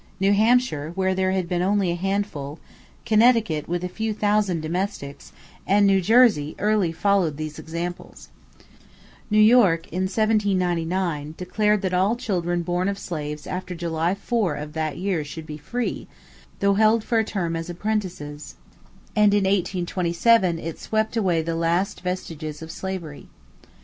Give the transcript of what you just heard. New Hampshire, where there had been only a handful, Connecticut with a few thousand domestics, and New Jersey early followed these examples. New York, in 1799, declared that all children born of slaves after July 4 of that year should be free, though held for a term as apprentices; and in 1827 it swept away the last vestiges of slavery.